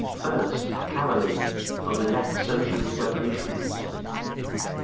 First Karelin for the Left Socialist Revolutionaries.